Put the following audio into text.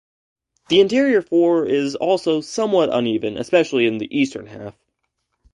The interior floor is also somewhat uneven, especially in the eastern half.